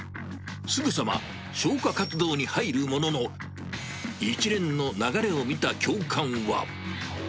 すぐさま消火活動に入るものの、一連の流れを見た教官は。